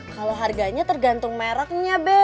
kalau harganya tergantung mereknya bek